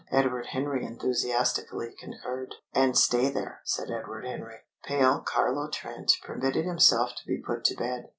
Edward Henry enthusiastically concurred. "And stay there!" said Edward Henry. Pale Carlo Trent permitted himself to be put to bed.